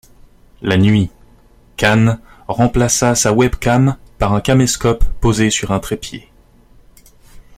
La nuit, Kan remplaça sa webcam par un caméscope posé sur un trépied.